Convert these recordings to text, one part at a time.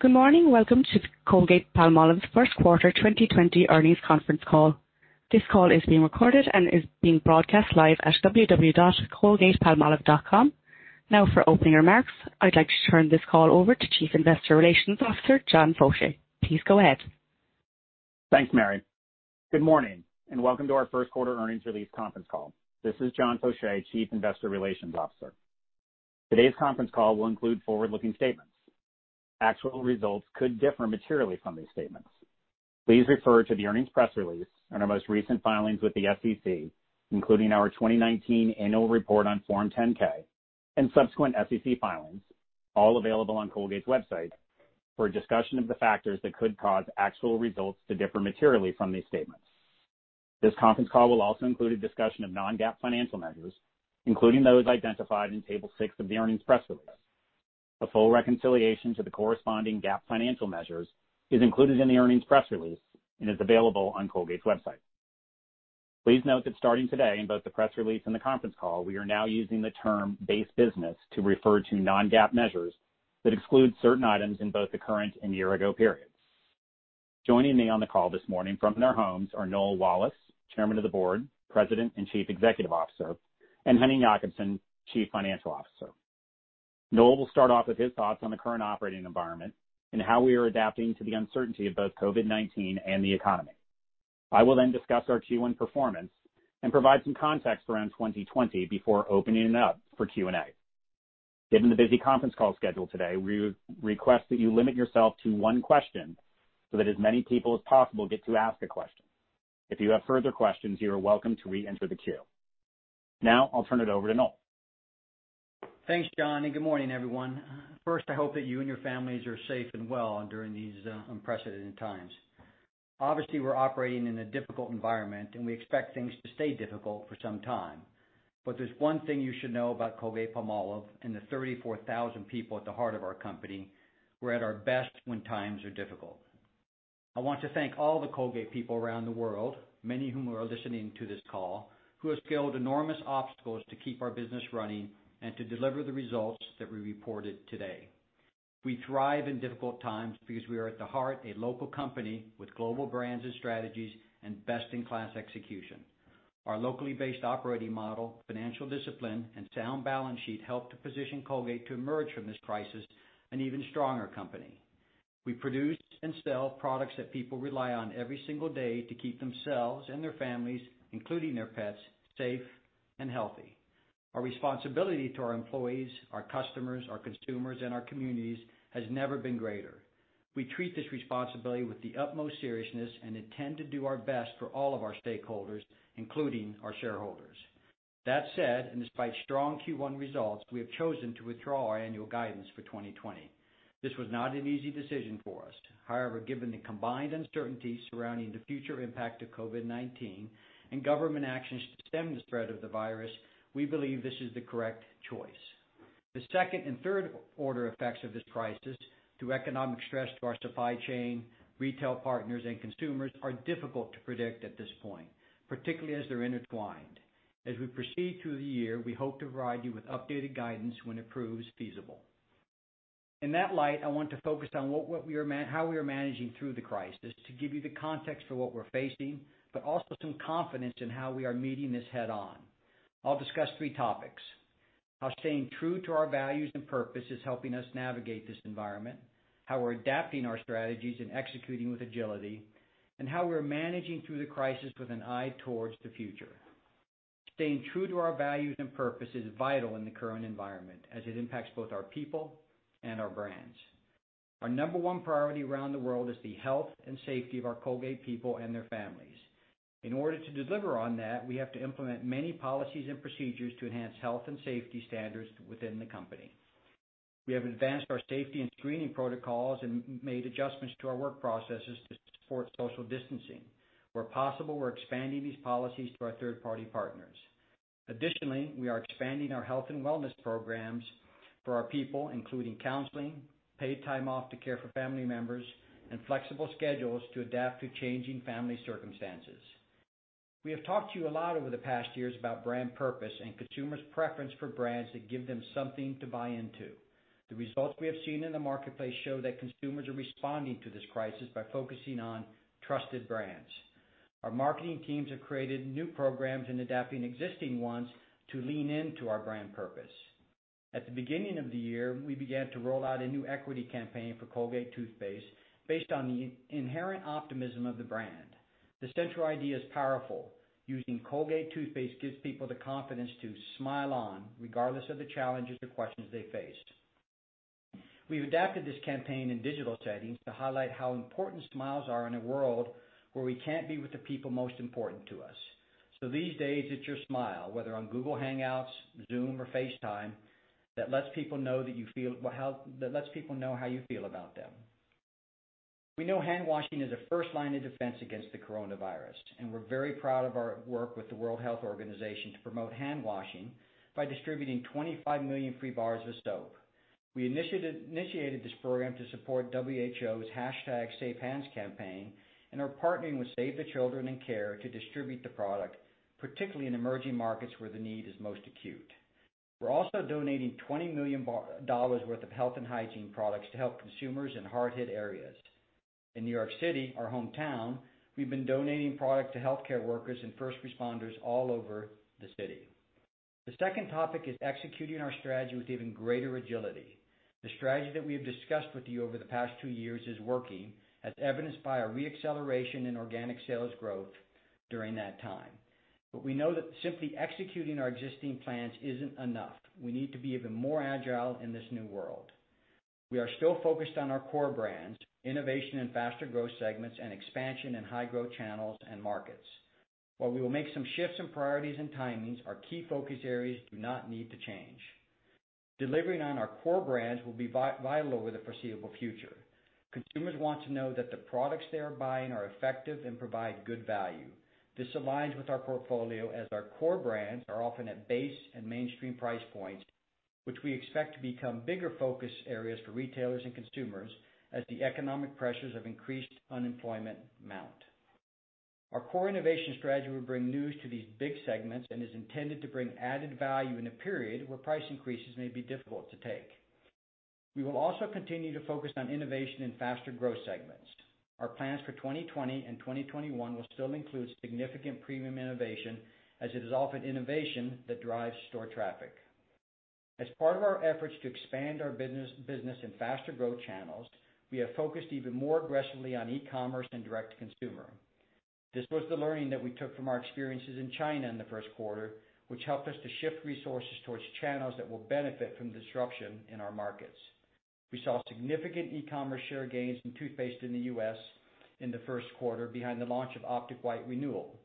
Good morning. Welcome to Colgate-Palmolive's first quarter 2020 earnings conference call. This call is being recorded and is being broadcast live at www.colgatepalmolive.com. Now for opening remarks, I'd like to turn this call over to Chief Investor Relations Officer, John Faucher. Please go ahead. Thanks, Mary. Good morning, and welcome to our first quarter earnings release conference call. This is John Faucher, Chief Investor Relations Officer. Today's conference call will include forward-looking statements. Actual results could differ materially from these statements. Please refer to the earnings press release and our most recent filings with the SEC, including our 2019 annual report on Form 10-K and subsequent SEC filings, all available on Colgate's website, for a discussion of the factors that could cause actual results to differ materially from these statements. This conference call will also include a discussion of non-GAAP financial measures, including those identified in Table six of the earnings press release. A full reconciliation to the corresponding GAAP financial measures is included in the earnings press release and is available on Colgate's website. Please note that starting today, in both the press release and the conference call, we are now using the term base business to refer to non-GAAP measures that exclude certain items in both the current and year-ago periods. Joining me on the call this morning from their homes are Noel Wallace, Chairman of the Board, President and Chief Executive Officer, and Henning Jakobsen, Chief Financial Officer. Noel will start off with his thoughts on the current operating environment and how we are adapting to the uncertainty of both COVID-19 and the economy. I will then discuss our Q1 performance and provide some context around 2020 before opening it up for Q&A. Given the busy conference call schedule today, we request that you limit yourself to one question so that as many people as possible get to ask a question. If you have further questions, you are welcome to re-enter the queue. Now, I'll turn it over to Noel. Thanks, John. Good morning, everyone. First, I hope that you and your families are safe and well during these unprecedented times. Obviously, we're operating in a difficult environment, and we expect things to stay difficult for some time. There's one thing you should know about Colgate-Palmolive and the 34,000 people at the heart of our company, we're at our best when times are difficult. I want to thank all the Colgate people around the world, many whom are listening to this call, who have scaled enormous obstacles to keep our business running and to deliver the results that we reported today. We thrive in difficult times because we are at the heart a local company with global brands and strategies and best-in-class execution. Our locally based operating model, financial discipline, and sound balance sheet help to position Colgate to emerge from this crisis an even stronger company. We produce and sell products that people rely on every single day to keep themselves and their families, including their pets, safe and healthy. Our responsibility to our employees, our customers, our consumers, and our communities has never been greater. We treat this responsibility with the utmost seriousness and intend to do our best for all of our stakeholders, including our shareholders. That said, and despite strong Q1 results, we have chosen to withdraw our annual guidance for 2020. This was not an easy decision for us. However, given the combined uncertainties surrounding the future impact of COVID-19 and government actions to stem the spread of the virus, we believe this is the correct choice. The second and third order effects of this crisis, through economic stress to our supply chain, retail partners, and consumers, are difficult to predict at this point, particularly as they're intertwined. As we proceed through the year, we hope to provide you with updated guidance when it proves feasible. In that light, I want to focus on how we are managing through the crisis to give you the context for what we're facing, but also some confidence in how we are meeting this head-on. I'll discuss three topics. How staying true to our values and purpose is helping us navigate this environment, how we're adapting our strategies and executing with agility, and how we're managing through the crisis with an eye towards the future. Staying true to our values and purpose is vital in the current environment, as it impacts both our people and our brands. Our number one priority around the world is the health and safety of our Colgate people and their families. In order to deliver on that, we have to implement many policies and procedures to enhance health and safety standards within the company. We have advanced our safety and screening protocols and made adjustments to our work processes to support social distancing. Where possible, we're expanding these policies to our third-party partners. Additionally, we are expanding our health and wellness programs for our people, including counseling, paid time off to care for family members, and flexible schedules to adapt to changing family circumstances. We have talked to you a lot over the past years about brand purpose and consumers' preference for brands that give them something to buy into. The results we have seen in the marketplace show that consumers are responding to this crisis by focusing on trusted brands. Our marketing teams have created new programs and adapting existing ones to lean into our brand purpose. At the beginning of the year, we began to roll out a new equity campaign for Colgate toothpaste based on the inherent optimism of the brand. The central idea is powerful. Using Colgate toothpaste gives people the confidence to smile on regardless of the challenges or questions they face. We've adapted this campaign in digital settings to highlight how important smiles are in a world where we can't be with the people most important to us. These days, it's your smile, whether on Google Hangouts, Zoom, or FaceTime, that lets people know how you feel about them. We know handwashing is a first line of defense against the coronavirus, and we're very proud of our work with the World Health Organization to promote handwashing by distributing 25 million free bars of soap. We initiated this program to support WHO's #SafeHands campaign and are partnering with Save the Children and CARE to distribute the product, particularly in emerging markets where the need is most acute. We're also donating $20 million worth of health and hygiene products to help consumers in hard-hit areas. In New York City, our hometown, we've been donating product to healthcare workers and first responders all over the city. The second topic is executing our strategy with even greater agility. The strategy that we have discussed with you over the past two years is working, as evidenced by our re-acceleration in organic sales growth during that time. We know that simply executing our existing plans isn't enough. We need to be even more agile in this new world. We are still focused on our core brands, innovation in faster growth segments, and expansion in high-growth channels and markets. While we will make some shifts in priorities and timings, our key focus areas do not need to change. Delivering on our core brands will be vital over the foreseeable future. Consumers want to know that the products they are buying are effective and provide good value. This aligns with our portfolio as our core brands are often at base and mainstream price points, which we expect to become bigger focus areas for retailers and consumers as the economic pressures of increased unemployment mount. Our core innovation strategy will bring news to these big segments and is intended to bring added value in a period where price increases may be difficult to take. We will also continue to focus on innovation in faster growth segments. Our plans for 2020 and 2021 will still include significant premium innovation, as it is often innovation that drives store traffic. As part of our efforts to expand our business in faster growth channels, we have focused even more aggressively on e-commerce and direct-to-consumer. This was the learning that we took from our experiences in China in the first quarter, which helped us to shift resources towards channels that will benefit from disruption in our markets. We saw significant e-commerce share gains in toothpaste in the U.S. in the first quarter behind the launch of Optic White Renewal,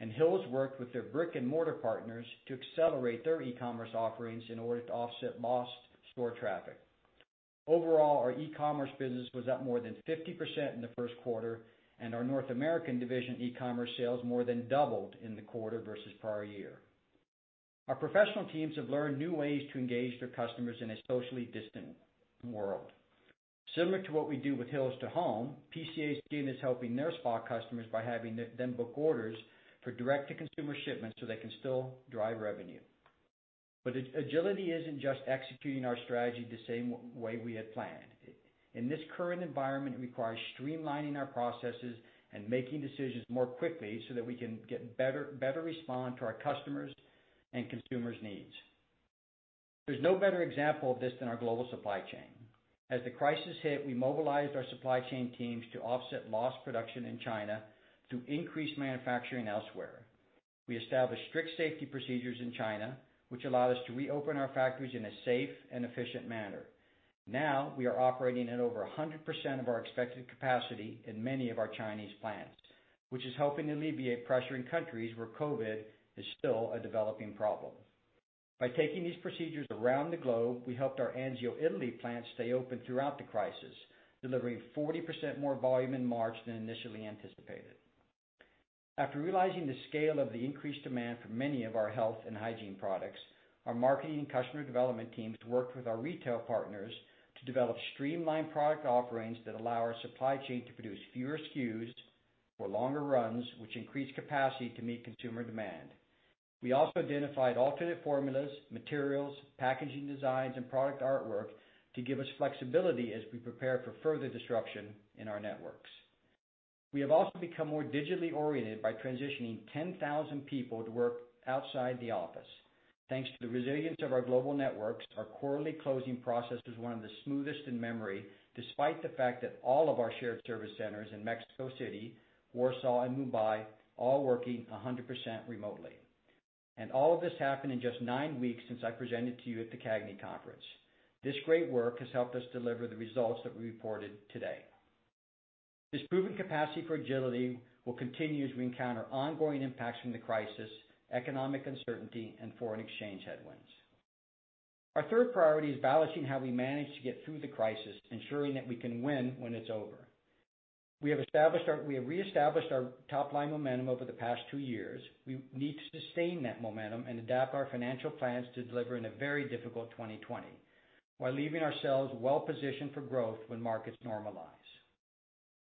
and Hill's worked with their brick-and-mortar partners to accelerate their e-commerce offerings in order to offset lost store traffic. Overall, our e-commerce business was up more than 50% in the first quarter, and our North American division e-commerce sales more than doubled in the quarter versus prior year. Our professional teams have learned new ways to engage their customers in a socially distant world. Similar to what we do with Hill's to Home, PCA SKIN is helping their spa customers by having them book orders for direct-to-consumer shipments so they can still drive revenue. Agility isn't just executing our strategy the same way we had planned. In this current environment, it requires streamlining our processes and making decisions more quickly so that we can better respond to our customers' and consumers' needs. There's no better example of this than our global supply chain. As the crisis hit, we mobilized our supply chain teams to offset lost production in China through increased manufacturing elsewhere. We established strict safety procedures in China, which allowed us to reopen our factories in a safe and efficient manner. Now, we are operating at over 100% of our expected capacity in many of our Chinese plants, which is helping alleviate pressure in countries where COVID is still a developing problem. By taking these procedures around the globe, we helped our Anzio, Italy plant stay open throughout the crisis, delivering 40% more volume in March than initially anticipated. After realizing the scale of the increased demand for many of our health and hygiene products, our marketing and customer development teams worked with our retail partners to develop streamlined product offerings that allow our supply chain to produce fewer SKUs for longer runs, which increased capacity to meet consumer demand. We also identified alternate formulas, materials, packaging designs, and product artwork to give us flexibility as we prepare for further disruption in our networks. We have also become more digitally oriented by transitioning 10,000 people to work outside the office. Thanks to the resilience of our global networks, our quarterly closing process was one of the smoothest in memory, despite the fact that all of our shared service centers in Mexico City, Warsaw, and Mumbai, all working 100% remotely. All of this happened in just nine weeks since I presented to you at the CAGNY conference. This great work has helped us deliver the results that we reported today. This proven capacity for agility will continue as we encounter ongoing impacts from the crisis, economic uncertainty, and foreign exchange headwinds. Our third priority is balancing how we manage to get through the crisis, ensuring that we can win when it's over. We have re-established our top-line momentum over the past two years. We need to sustain that momentum and adapt our financial plans to deliver in a very difficult 2020 while leaving ourselves well-positioned for growth when markets normalize.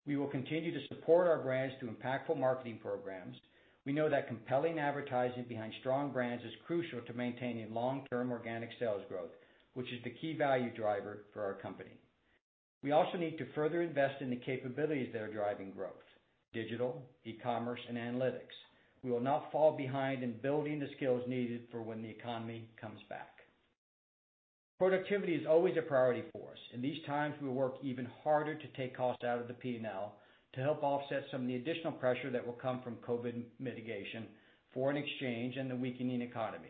We will continue to support our brands through impactful marketing programs. We know that compelling advertising behind strong brands is crucial to maintaining long-term organic sales growth, which is the key value driver for our company. We also need to further invest in the capabilities that are driving growth, digital, e-commerce, and analytics. We will not fall behind in building the skills needed for when the economy comes back. Productivity is always a priority for us. In these times, we will work even harder to take costs out of the P&L to help offset some of the additional pressure that will come from COVID mitigation, foreign exchange, and the weakening economy.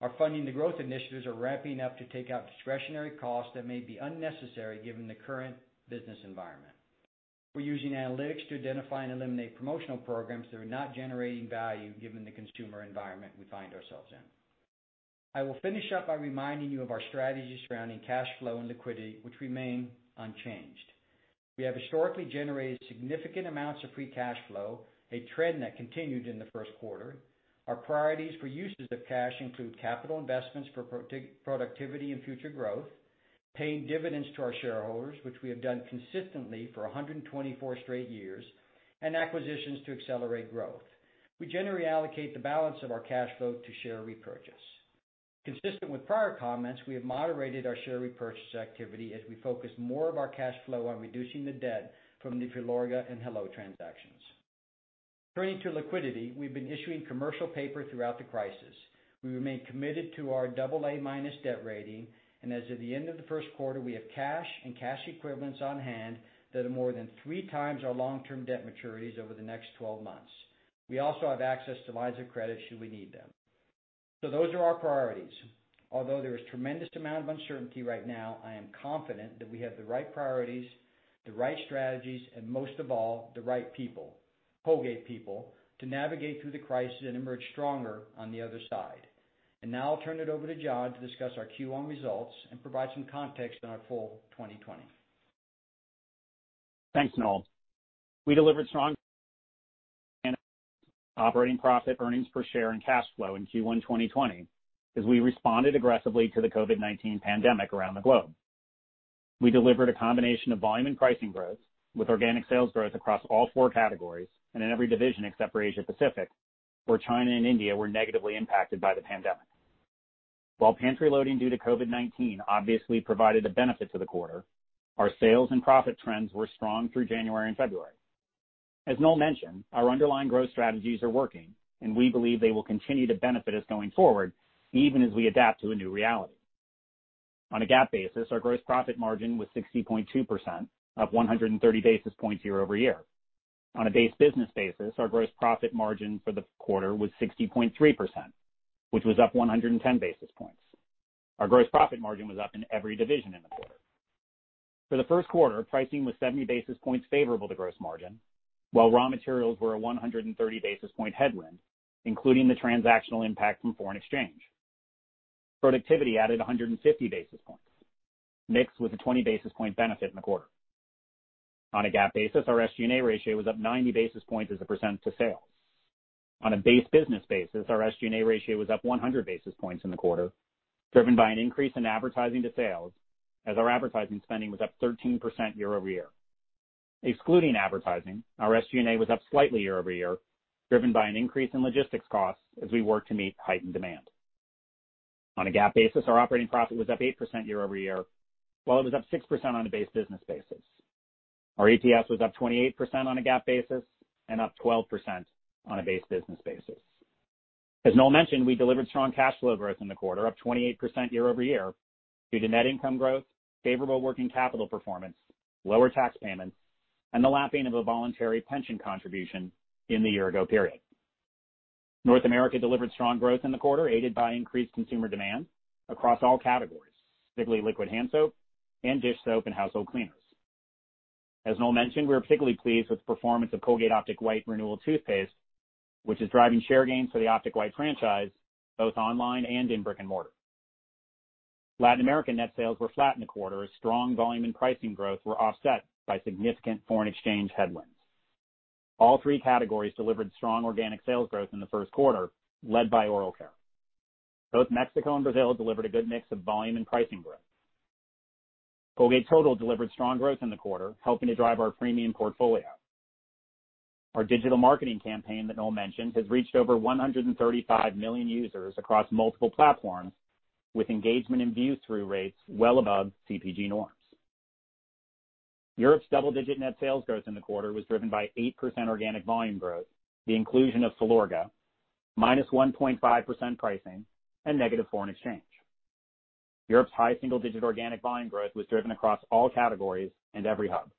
Our funding the growth initiatives are ramping up to take out discretionary costs that may be unnecessary given the current business environment. We're using analytics to identify and eliminate promotional programs that are not generating value given the consumer environment we find ourselves in. I will finish up by reminding you of our strategies surrounding cash flow and liquidity, which remain unchanged. We have historically generated significant amounts of free cash flow, a trend that continued in the first quarter. Our priorities for uses of cash include capital investments for productivity and future growth, paying dividends to our shareholders, which we have done consistently for 124 straight years, and acquisitions to accelerate growth. We generally allocate the balance of our cash flow to share repurchase. Consistent with prior comments, we have moderated our share repurchase activity as we focus more of our cash flow on reducing the debt from the Filorga and Hello transactions. Turning to liquidity, we've been issuing commercial paper throughout the crisis. We remain committed to our double A minus debt rating, and as of the end of the first quarter, we have cash and cash equivalents on hand that are more than three times our long-term debt maturities over the next 12 months. We also have access to lines of credit should we need them. Those are our priorities. Although there is tremendous amount of uncertainty right now, I am confident that we have the right priorities, the right strategies, and most of all, the right people, Colgate people, to navigate through the crisis and emerge stronger on the other side. Now I'll turn it over to John to discuss our Q1 results and provide some context on our full 2020. Thanks, Noel. We delivered strong operating profit, earnings per share, and cash flow in Q1 2020, as we responded aggressively to the COVID-19 pandemic around the globe. We delivered a combination of volume and pricing growth with organic sales growth across all four categories and in every division except for Asia-Pacific, where China and India were negatively impacted by the pandemic. While pantry loading due to COVID-19 obviously provided a benefit to the quarter, our sales and profit trends were strong through January and February. As Noel mentioned, our underlying growth strategies are working, and we believe they will continue to benefit us going forward, even as we adapt to a new reality. On a GAAP basis, our gross profit margin was 60.2%, up 130 basis points year-over-year. On a base business basis, our gross profit margin for the quarter was 60.3%, which was up 110 basis points. Our gross profit margin was up in every division in the quarter. For the first quarter, pricing was 70 basis points favorable to gross margin, while raw materials were a 130 basis point headwind, including the transactional impact from foreign exchange. Productivity added 150 basis points. Mix was a 20 basis point benefit in the quarter. On a GAAP basis, our SG&A ratio was up 90 basis points as a % to sales. On a base business basis, our SG&A ratio was up 100 basis points in the quarter, driven by an increase in advertising to sales as our advertising spending was up 13% year-over-year. Excluding advertising, our SG&A was up slightly year-over-year, driven by an increase in logistics costs as we work to meet heightened demand. On a GAAP basis, our operating profit was up 8% year-over-year, while it was up 6% on a base business basis. Our EPS was up 28% on a GAAP basis and up 12% on a base business basis. As Noel mentioned, we delivered strong cash flow growth in the quarter, up 28% year-over-year due to net income growth, favorable working capital performance, lower tax payments, and the lapping of a voluntary pension contribution in the year ago period. North America delivered strong growth in the quarter, aided by increased consumer demand across all categories, particularly liquid hand soap and dish soap and household cleaners. As Noel mentioned, we are particularly pleased with the performance of Colgate Optic White Renewal toothpaste, which is driving share gains for the Optic White franchise both online and in brick and mortar. Latin America net sales were flat in the quarter as strong volume and pricing growth were offset by significant foreign exchange headwinds. All three categories delivered strong organic sales growth in the first quarter, led by oral care. Both Mexico and Brazil delivered a good mix of volume and pricing growth. Colgate Total delivered strong growth in the quarter, helping to drive our premium portfolio. Our digital marketing campaign that Noel mentioned has reached over 135 million users across multiple platforms, with engagement and view-through rates well above CPG norms. Europe's double-digit net sales growth in the quarter was driven by 8% organic volume growth, the inclusion of Filorga, minus 1.5% pricing, and negative foreign exchange. Europe's high single-digit organic volume growth was driven across all categories and every hub.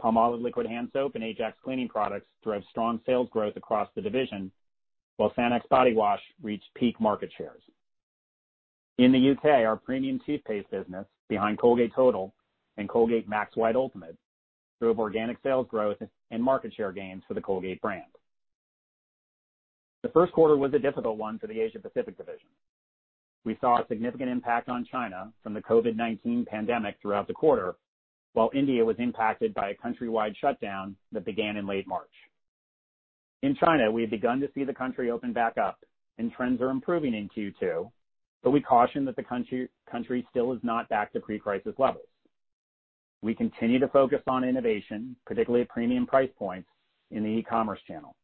Palmolive liquid hand soap and Ajax cleaning products drove strong sales growth across the division, while Sanex body wash reached peak market shares. In the U.K., our premium toothpaste business behind Colgate Total and Colgate Max White Ultimate drove organic sales growth and market share gains for the Colgate brand. The first quarter was a difficult one for the Asia-Pacific division. We saw a significant impact on China from the COVID-19 pandemic throughout the quarter, while India was impacted by a country-wide shutdown that began in late March. In China, we have begun to see the country open back up and trends are improving in Q2, but we caution that the country still is not back to pre-crisis levels. We continue to focus on innovation, particularly at premium price points in the e-commerce channel.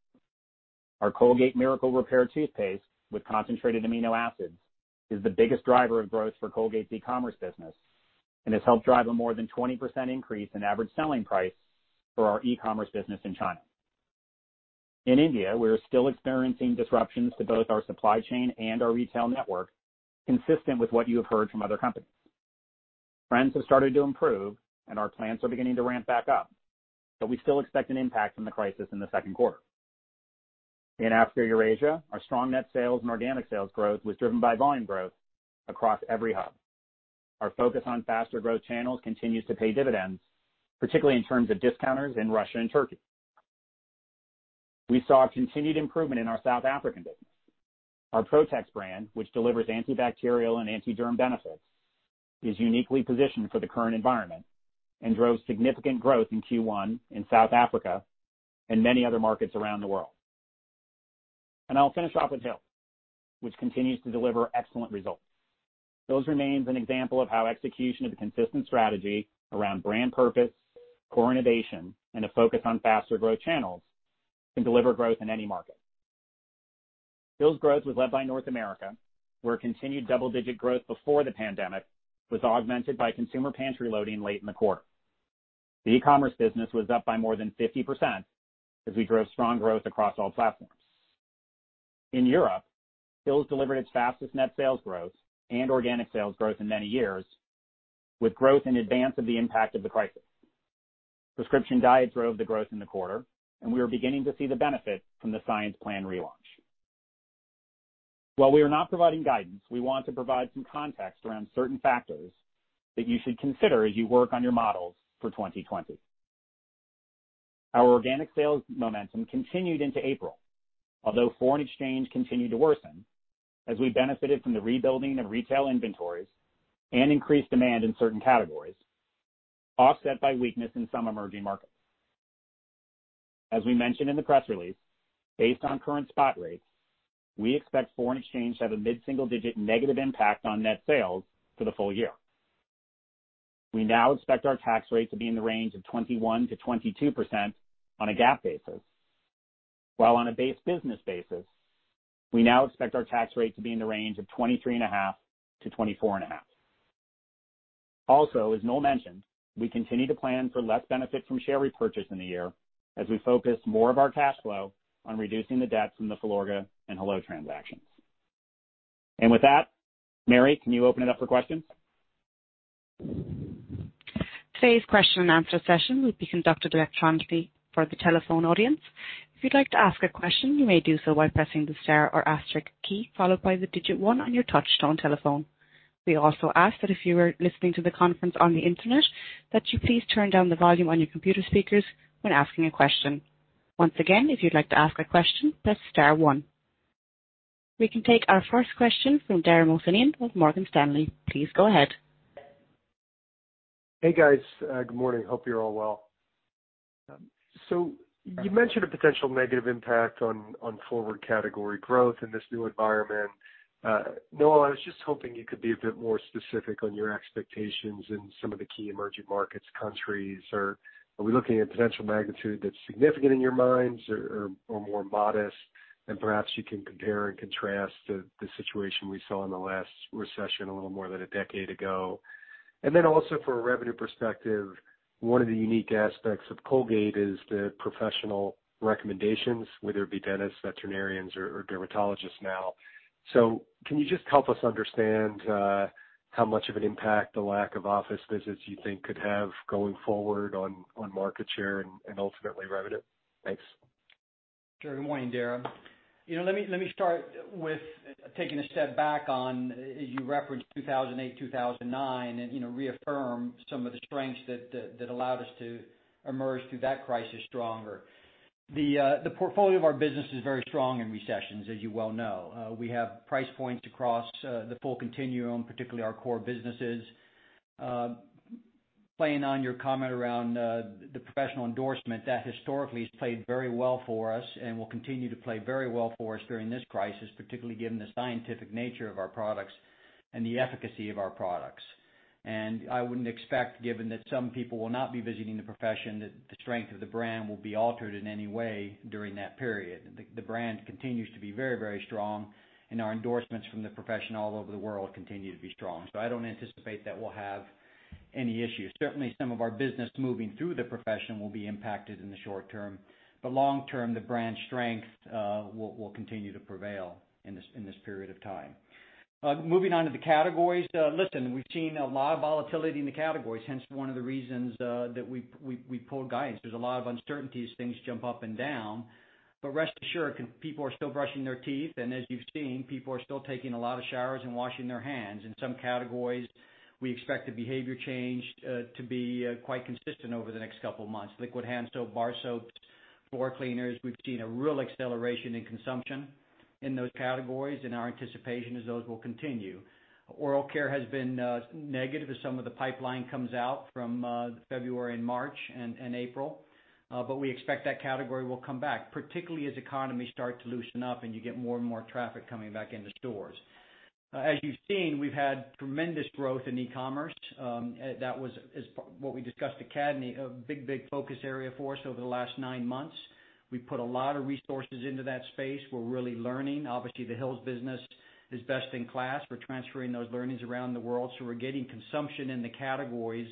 Our Colgate Miracle Repair toothpaste with concentrated amino acids is the biggest driver of growth for Colgate's e-commerce business and has helped drive a more than 20% increase in average selling price for our e-commerce business in China. In India, we're still experiencing disruptions to both our supply chain and our retail network, consistent with what you have heard from other companies. Trends have started to improve and our plants are beginning to ramp back up, but we still expect an impact from the crisis in the second quarter. In Africa/Eurasia, our strong net sales and organic sales growth was driven by volume growth across every hub. Our focus on faster growth channels continues to pay dividends, particularly in terms of discounters in Russia and Turkey. We saw a continued improvement in our South African business. Our Protex brand, which delivers antibacterial and anti-germ benefits, is uniquely positioned for the current environment and drove significant growth in Q1 in South Africa and many other markets around the world. I'll finish off with Hill's, which continues to deliver excellent results. Hill's remains an example of how execution of a consistent strategy around brand purpose, core innovation, and a focus on faster growth channels can deliver growth in any market. Hill's growth was led by North America, where continued double-digit growth before the pandemic was augmented by consumer pantry loading late in the quarter. The e-commerce business was up by more than 50% as we drove strong growth across all platforms. In Europe, Hill's delivered its fastest net sales growth and organic sales growth in many years, with growth in advance of the impact of the crisis. Prescription Diet drove the growth in the quarter, and we are beginning to see the benefit from the Science Plan relaunch. While we are not providing guidance, we want to provide some context around certain factors that you should consider as you work on your models for 2020. Our organic sales momentum continued into April. Foreign exchange continued to worsen, as we benefited from the rebuilding of retail inventories and increased demand in certain categories, offset by weakness in some emerging markets. As we mentioned in the press release, based on current spot rates, we expect foreign exchange to have a mid-single-digit negative impact on net sales for the full year. We now expect our tax rate to be in the range of 21%-22% on a GAAP basis, while on a base business basis, we now expect our tax rate to be in the range of 23.5%-24.5%. Also, as Noel mentioned, we continue to plan for less benefit from share repurchase in the year as we focus more of our cash flow on reducing the debts from the Filorga and Hello transactions. With that, Mary, can you open it up for questions? Today's question and answer session will be conducted electronically for the telephone audience. If you'd like to ask a question, you may do so by pressing the star or asterisk key followed by the digit one on your touchtone telephone. We also ask that if you are listening to the conference on the internet, that you please turn down the volume on your computer speakers when asking a question. Once again, if you'd like to ask a question, press star 1. We can take our first question from Dara Mohsenian with Morgan Stanley. Please go ahead. Hey, guys. Good morning. Hope you're all well. You mentioned a potential negative impact on forward category growth in this new environment. Noel, I was just hoping you could be a bit more specific on your expectations in some of the key emerging markets countries. Are we looking at potential magnitude that's significant in your minds or more modest? Perhaps you can compare and contrast the situation we saw in the last recession a little more than a decade ago. Also from a revenue perspective, one of the unique aspects of Colgate is the professional recommendations, whether it be dentists, veterinarians, or dermatologists now. Can you just help us understand how much of an impact the lack of office visits you think could have going forward on market share and ultimately revenue? Thanks. Sure. Good morning, Dara. Let me start with taking a step back on, as you referenced 2008, 2009, reaffirm some of the strengths that allowed us to emerge through that crisis stronger. The portfolio of our business is very strong in recessions, as you well know. We have price points across the full continuum, particularly our core businesses. Playing on your comment around the professional endorsement, that historically has played very well for us and will continue to play very well for us during this crisis, particularly given the scientific nature of our products and the efficacy of our products. I wouldn't expect, given that some people will not be visiting the profession, that the strength of the brand will be altered in any way during that period. The brand continues to be very strong, and our endorsements from the profession all over the world continue to be strong. I don't anticipate that we'll have any issues. Certainly, some of our business moving through the profession will be impacted in the short term, but long term, the brand strength will continue to prevail in this period of time. Moving on to the categories. Listen, we've seen a lot of volatility in the categories, hence one of the reasons that we pulled guidance. There's a lot of uncertainty as things jump up and down. Rest assured, people are still brushing their teeth, and as you've seen, people are still taking a lot of showers and washing their hands. In some categories, we expect the behavior change to be quite consistent over the next couple of months. Liquid hand soap, bar soaps, floor cleaners, we've seen a real acceleration in consumption in those categories, and our anticipation is those will continue. Oral care has been negative as some of the pipeline comes out from February and March and April. We expect that category will come back, particularly as economies start to loosen up and you get more and more traffic coming back into stores. As you've seen, we've had tremendous growth in e-commerce. That was what we discussed at CAGNY, a big focus area for us over the last nine months. We put a lot of resources into that space. We're really learning. Obviously, the Hill's business is best in class. We're transferring those learnings around the world. We're getting consumption in the categories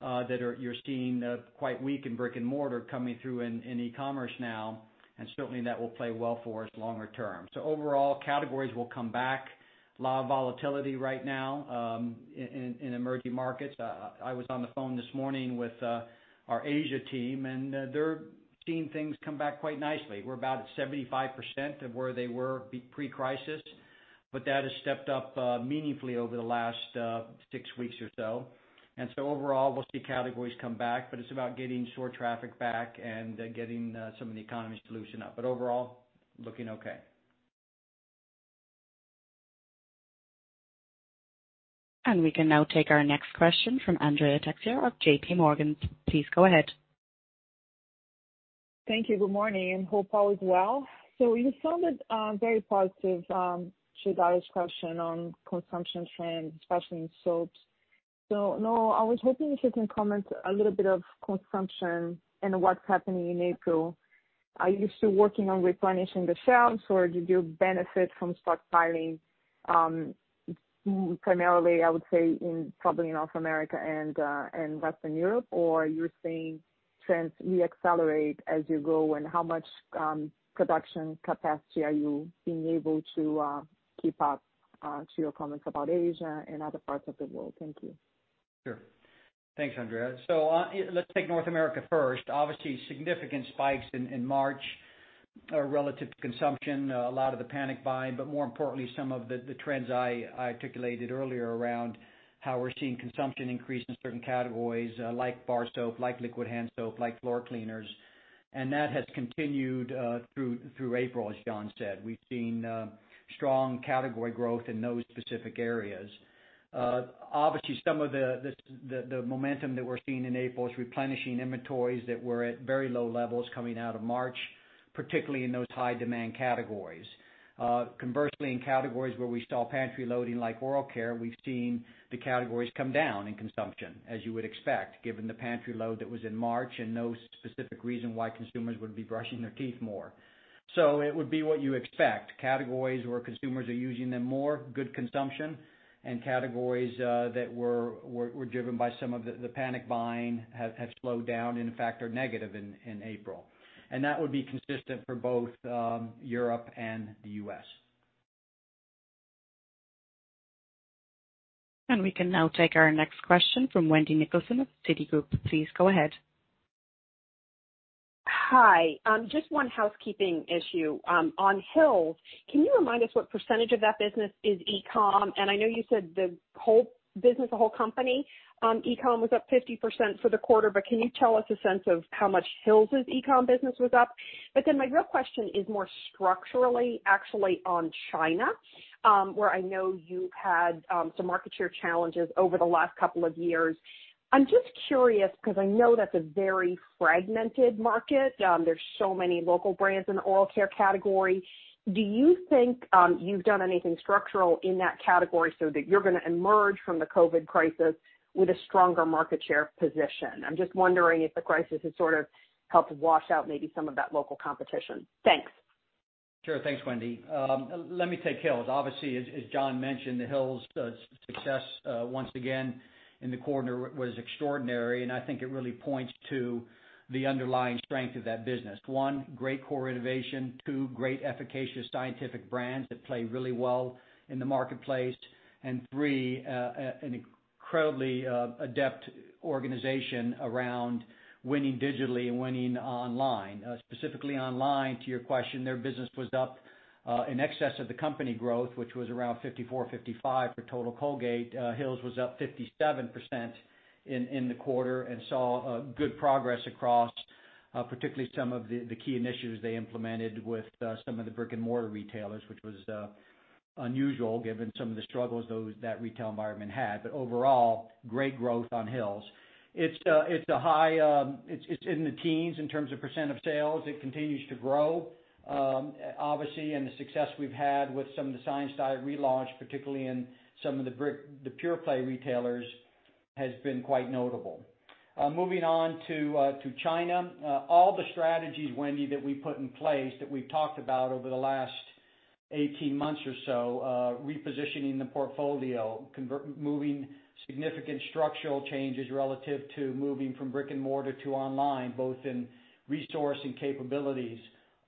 that you're seeing quite weak in brick and mortar coming through in e-commerce now, and certainly that will play well for us longer term. Overall, categories will come back. A lot of volatility right now in emerging markets. I was on the phone this morning with our Asia team, and they're seeing things come back quite nicely. We're about at 75% of where they were pre-crisis. That has stepped up meaningfully over the last six weeks or so. Overall, we'll see categories come back, but it's about getting store traffic back and getting some of the economies to loosen up. Overall, looking okay. We can now take our next question from Andrea Teixeira of JPMorgan. Please go ahead. Thank you. Good morning. Hope all is well. You sounded very positive to Dara's question on consumption trends, especially in soaps. Noel, I was hoping if you can comment a little bit of consumption and what's happening in April. Are you still working on replenishing the shelves, or did you benefit from stockpiling, primarily, I would say, probably in North America and Western Europe? Are you seeing trends re-accelerate as you go, and how much production capacity are you being able to keep up to your comments about Asia and other parts of the world? Thank you. Sure. Thanks, Andrea. Let's take North America first. Obviously, significant spikes in March relative to consumption, a lot of the panic buying, but more importantly, some of the trends I articulated earlier around how we're seeing consumption increase in certain categories like bar soap, like liquid hand soap, like floor cleaners. That has continued through April, as John said. We've seen strong category growth in those specific areas. Obviously, some of the momentum that we're seeing in April is replenishing inventories that were at very low levels coming out of March, particularly in those high-demand categories. Conversely, in categories where we saw pantry loading like oral care, we've seen the categories come down in consumption, as you would expect, given the pantry load that was in March and no specific reason why consumers would be brushing their teeth more. It would be what you expect. Categories where consumers are using them more, good consumption, and categories that were driven by some of the panic buying have slowed down, in fact, are negative in April. That would be consistent for both Europe and the U.S. We can now take our next question from Wendy Nicholson of Citigroup. Please go ahead. Hi. Just one housekeeping issue. On Hill's, can you remind us what % of that business is e-com? I know you said the whole business, the whole company e-com was up 50% for the quarter, but can you tell us a sense of how much Hill's' e-com business was up? My real question is more structurally, actually, on China, where I know you've had some market share challenges over the last couple of years. I'm just curious because I know that's a very fragmented market. There's so many local brands in the oral care category. Do you think you've done anything structural in that category so that you're going to emerge from the COVID crisis with a stronger market share position? I'm just wondering if the crisis has sort of helped wash out maybe some of that local competition. Thanks. Sure. Thanks, Wendy. Let me take Hill's. Obviously, as John mentioned, the Hill's success once again in the quarter was extraordinary, and I think it really points to the underlying strength of that business. One, great core innovation, two, great efficacious scientific brands that play really well in the marketplace, and three an incredibly adept organization around winning digitally and winning online. Specifically online, to your question, their business was up in excess of the company growth, which was around 54, 55 for total Colgate. Hill's was up 57% in the quarter and saw good progress across particularly some of the key initiatives they implemented with some of the brick-and-mortar retailers, which was unusual given some of the struggles that retail environment had. Overall, great growth on Hill's. It's in the teens in terms of % of sales. It continues to grow. Obviously, the success we've had with some of the Science Diet relaunch, particularly in some of the pure play retailers, has been quite notable. Moving on to China. All the strategies, Wendy, that we put in place that we've talked about over the last 18 months or so, repositioning the portfolio, moving significant structural changes relative to moving from brick and mortar to online, both in resource and capabilities,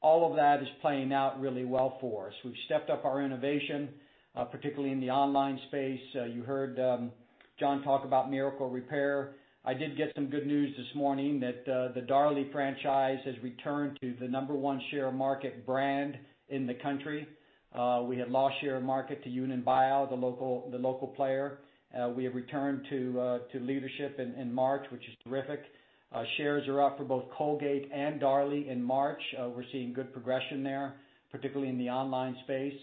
all of that is playing out really well for us. We've stepped up our innovation, particularly in the online space. You heard John talk about Miracle Repair. I did get some good news this morning that the Darlie franchise has returned to the number one share of market brand in the country. We had lost share of market to Yunnan Baiyao, the local player. We have returned to leadership in March, which is terrific. Shares are up for both Colgate and Darlie in March. We're seeing good progression there, particularly in the online space.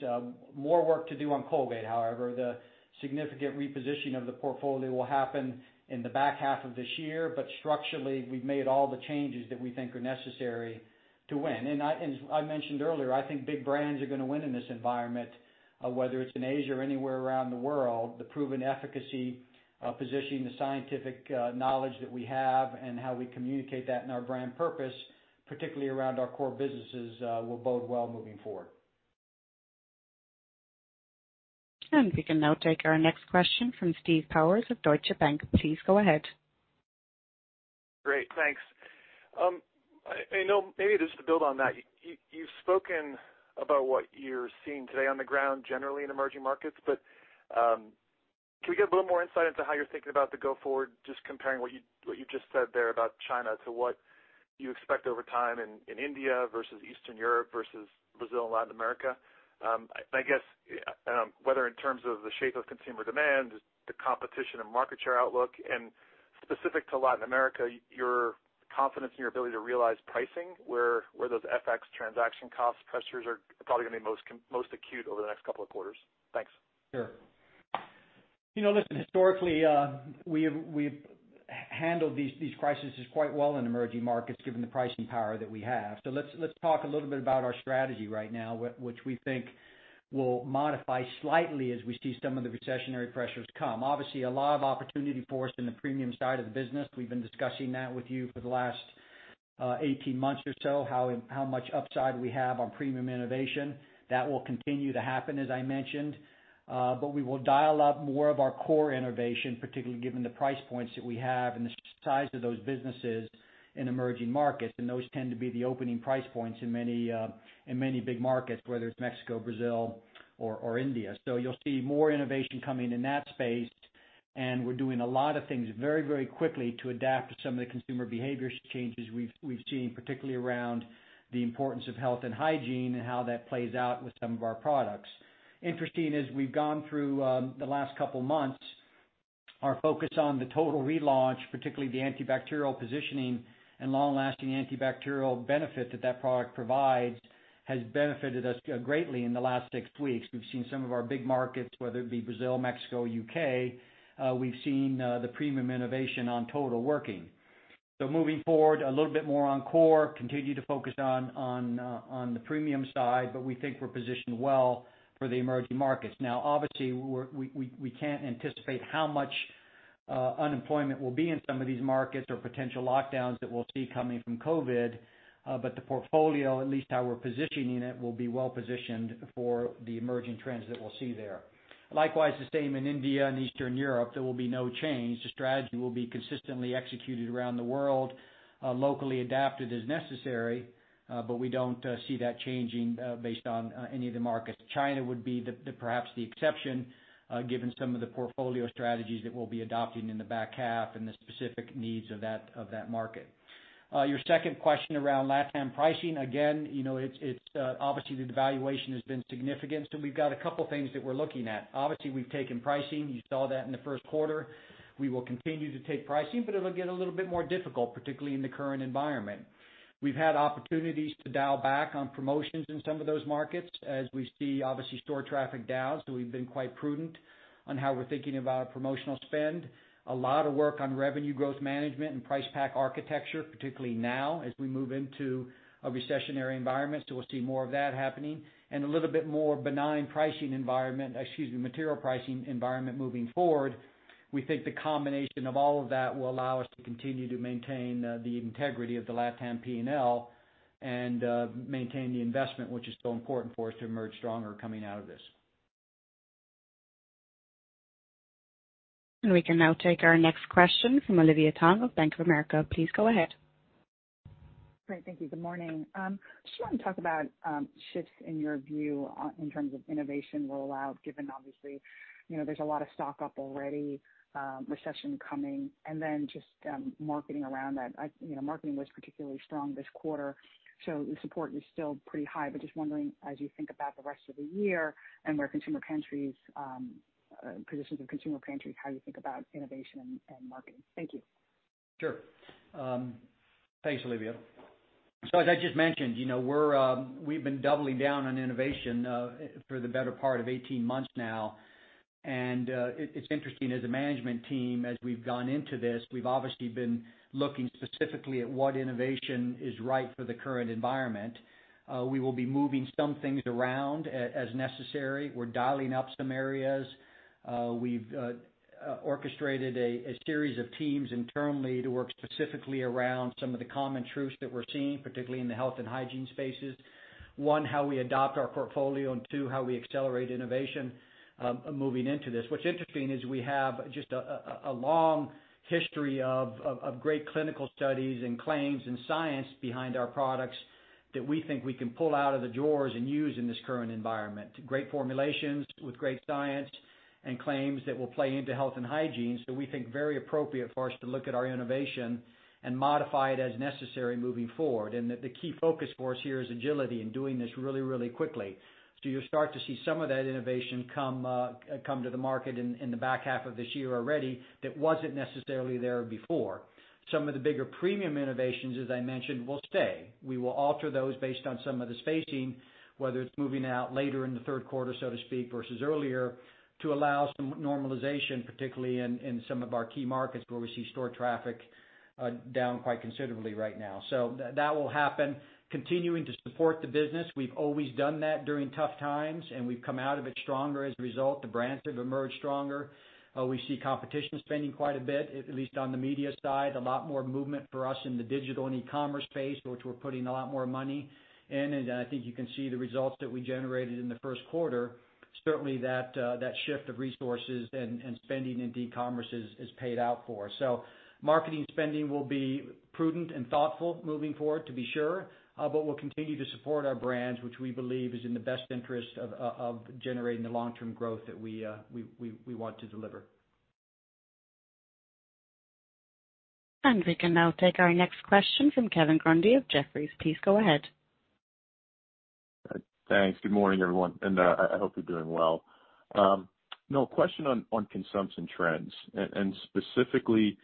More work to do on Colgate, however. The significant repositioning of the portfolio will happen in the back half of this year. Structurally, we've made all the changes that we think are necessary to win. As I mentioned earlier, I think big brands are going to win in this environment, whether it's in Asia or anywhere around the world. The proven efficacy of positioning the scientific knowledge that we have and how we communicate that in our brand purpose, particularly around our core businesses will bode well moving forward. We can now take our next question from Steve Powers of Deutsche Bank. Please go ahead. Great. Thanks. Noel, maybe just to build on that. You've spoken about what you're seeing today on the ground generally in emerging markets. Can we get a little more insight into how you're thinking about the go forward, just comparing what you just said there about China to what you expect over time in India versus Eastern Europe versus Brazil and Latin America? I guess, whether in terms of the shape of consumer demand, the competition and market share outlook, and specific to Latin America, your confidence in your ability to realize pricing, where those FX transaction cost pressures are probably going to be most acute over the next couple of quarters. Thanks. Sure. Listen, historically, we've handled these crises quite well in emerging markets, given the pricing power that we have. Let's talk a little bit about our strategy right now, which we think will modify slightly as we see some of the recessionary pressures come. Obviously, a lot of opportunity for us in the premium side of the business. We've been discussing that with you for the last 18 months or so, how much upside we have on premium innovation. That will continue to happen, as I mentioned. We will dial up more of our core innovation, particularly given the price points that we have and the size of those businesses in emerging markets, and those tend to be the opening price points in many big markets, whether it's Mexico, Brazil or India. You'll see more innovation coming in that space, and we're doing a lot of things very quickly to adapt to some of the consumer behavior changes we've seen, particularly around the importance of health and hygiene and how that plays out with some of our products. Interesting, as we've gone through the last couple of months, our focus on the Colgate Total relaunch, particularly the antibacterial positioning and long-lasting antibacterial benefit that that product provides, has benefited us greatly in the last six weeks. We've seen some of our big markets, whether it be Brazil, Mexico, U.K., we've seen the premium innovation on Colgate Total working. Moving forward, a little bit more on core, continue to focus on the premium side, but we think we're positioned well for the emerging markets. obviously, we can't anticipate how much unemployment will be in some of these markets or potential lockdowns that we'll see coming from COVID, but the portfolio, at least how we're positioning it, will be well positioned for the emerging trends that we'll see there. Likewise, the same in India and Eastern Europe. There will be no change. The strategy will be consistently executed around the world, locally adapted as necessary. we don't see that changing based on any of the markets. China would be perhaps the exception, given some of the portfolio strategies that we'll be adopting in the back half and the specific needs of that market. Your second question around LatAm pricing. obviously, the devaluation has been significant. we've got a couple things that we're looking at. Obviously, we've taken pricing. You saw that in the first quarter. We will continue to take pricing, but it'll get a little bit more difficult, particularly in the current environment. We've had opportunities to dial back on promotions in some of those markets as we see, obviously, store traffic down. We've been quite prudent on how we're thinking about promotional spend. A lot of work on revenue growth management and price pack architecture, particularly now as we move into a recessionary environment. We'll see more of that happening. A little bit more benign pricing environment, excuse me, material pricing environment moving forward. We think the combination of all of that will allow us to continue to maintain the integrity of the LatAm P&L and maintain the investment, which is so important for us to emerge stronger coming out of this. We can now take our next question from Olivia Tong of Bank of America. Please go ahead. Great. Thank you. Good morning. Just wanted to talk about shifts in your view in terms of innovation rollout, given obviously, there's a lot of stock up already, recession coming. Then just marketing around that. Marketing was particularly strong this quarter, so the support is still pretty high, but just wondering, as you think about the rest of the year and where positions in consumer pantries, how you think about innovation and marketing. Thank you. Sure. Thanks, Olivia. As I just mentioned, we've been doubling down on innovation for the better part of 18 months now. It's interesting as a management team, as we've gone into this, we've obviously been looking specifically at what innovation is right for the current environment. We will be moving some things around as necessary. We're dialing up some areas. We've orchestrated a series of teams internally to work specifically around some of the common truths that we're seeing, particularly in the health and hygiene spaces. One, how we adopt our portfolio, and two, how we accelerate innovation moving into this. What's interesting is we have just a long history of great clinical studies and claims and science behind our products that we think we can pull out of the drawers and use in this current environment. Great formulations with great science and claims that will play into health and hygiene. We think very appropriate for us to look at our innovation and modify it as necessary moving forward. The key focus for us here is agility and doing this really quickly. You'll start to see some of that innovation come to the market in the back half of this year already that wasn't necessarily there before. Some of the bigger premium innovations, as I mentioned, will stay. We will alter those based on some of the spacing, whether it's moving out later in the third quarter, so to speak, versus earlier, to allow some normalization, particularly in some of our key markets where we see store traffic down quite considerably right now. That will happen. Continuing to support the business. We've always done that during tough times, and we've come out of it stronger as a result. The brands have emerged stronger. We see competition spending quite a bit, at least on the media side. A lot more movement for us in the digital and e-commerce space, which we're putting a lot more money in. I think you can see the results that we generated in the first quarter. Certainly that shift of resources and spending in e-commerce is paid out for. Marketing spending will be prudent and thoughtful moving forward, to be sure, but we'll continue to support our brands, which we believe is in the best interest of generating the long-term growth that we want to deliver. We can now take our next question from Kevin Grundy of Jefferies. Please go ahead. Thanks. Good morning, everyone, and I hope you're doing well. Noel, question on consumption trends, and specifically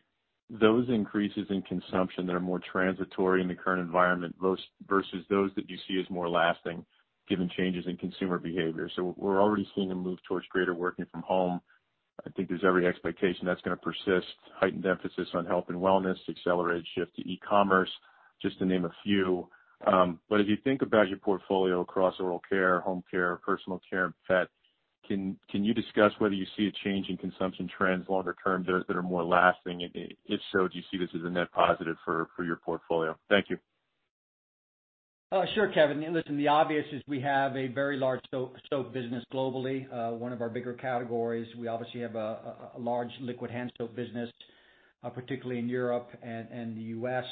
those increases in consumption that are more transitory in the current environment versus those that you see as more lasting given changes in consumer behavior. We're already seeing a move towards greater working from home. I think there's every expectation that's going to persist, heightened emphasis on health and wellness, accelerated shift to e-commerce, just to name a few. As you think about your portfolio across oral care, home care, personal care, and pet, can you discuss whether you see a change in consumption trends longer term, those that are more lasting? If so, do you see this as a net positive for your portfolio? Thank you. Sure, Kevin. Listen, the obvious is we have a very large soap business globally. One of our bigger categories. We obviously have a large liquid hand soap business, particularly in Europe and the U.S.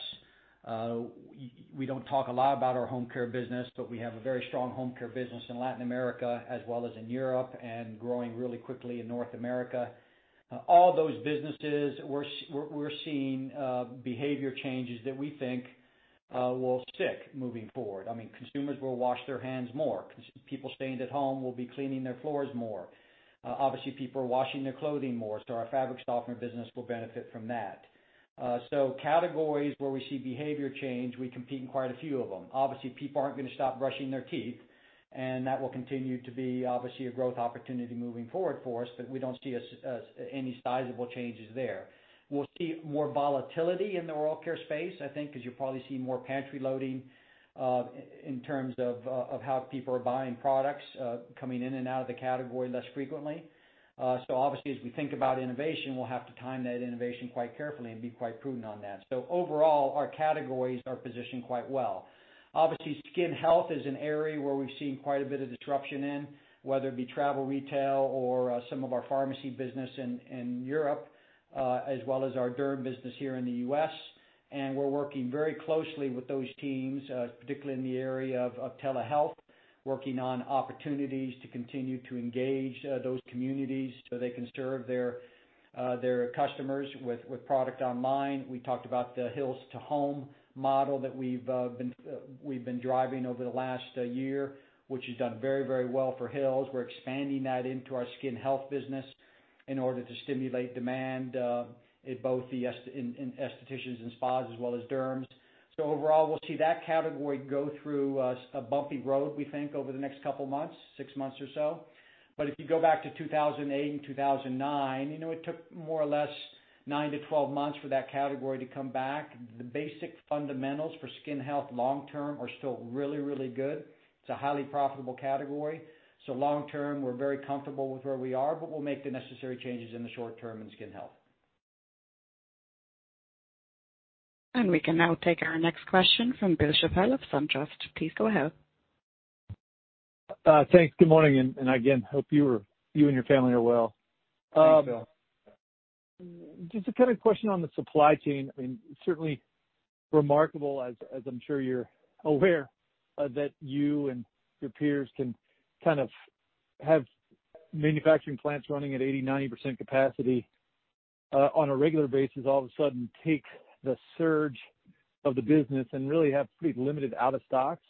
We don't talk a lot about our home care business, but we have a very strong home care business in Latin America as well as in Europe, and growing really quickly in North America. All those businesses, we're seeing behavior changes that we think will stick moving forward. Consumers will wash their hands more. People staying at home will be cleaning their floors more. Obviously, people are washing their clothing more, so our fabric softener business will benefit from that. Categories where we see behavior change, we compete in quite a few of them. Obviously, people aren't going to stop brushing their teeth, and that will continue to be obviously a growth opportunity moving forward for us, but we don't see any sizable changes there. We'll see more volatility in the oral care space, I think, because you'll probably see more pantry loading, in terms of how people are buying products, coming in and out of the category less frequently. Obviously, as we think about innovation, we'll have to time that innovation quite carefully and be quite prudent on that. Overall, our categories are positioned quite well. Obviously, skin health is an area where we've seen quite a bit of disruption in, whether it be travel retail or some of our pharmacy business in Europe, as well as our derm business here in the U.S. We're working very closely with those teams, particularly in the area of telehealth, working on opportunities to continue to engage those communities so they can serve their customers with product online. We talked about the Hill's to Home model that we've been driving over the last year, which has done very well for Hill's. We're expanding that into our skin health business in order to stimulate demand, in both the aestheticians and spas as well as derms. Overall, we'll see that category go through a bumpy road, we think, over the next couple of months, six months or so. If you go back to 2008 and 2009, it took more or less nine to 12 months for that category to come back. The basic fundamentals for skin health long term are still really good. It's a highly profitable category. Long term, we're very comfortable with where we are, but we'll make the necessary changes in the short term in skin health. We can now take our next question from Bill Chappell of SunTrust. Please go ahead. Thanks. Good morning, and again, hope you and your family are well. Thanks, Bill. Just a question on the supply chain. Certainly remarkable, as I'm sure you're aware, that you and your peers can have manufacturing plants running at 80%, 90% capacity on a regular basis, all of a sudden take the surge of the business and really have pretty limited out of stocks.